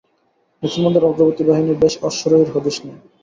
মুসলমানদের অগ্রবর্তী বাহিনীর বিশ অশ্বারোহীরও হদিস নেই।